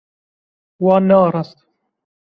Wan nearast.